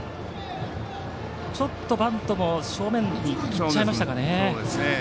ちょっとバントも正面に行っちゃいましたかね。